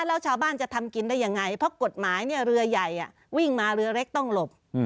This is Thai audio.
แล้วชาวบ้านจะทำกินได้ยังไงเพราะกฎหมายเนี่ยเรือใหญ่วิ่งมาเรือเล็กต้องหลบ